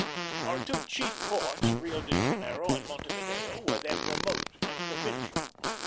Our two chief ports, Rio de Janeiro and Montevideo, were then remote and provincial.